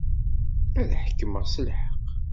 Ad ḥekmeɣ s lḥeqq.